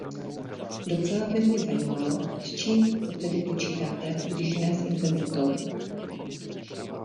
Docela by mě zajímalo, s čím to tedy počítate, když ne s intenzitou.